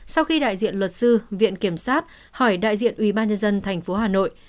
sau khi đại diện luật sư viện kiểm sát hỏi đại diện ubnd tp hà nội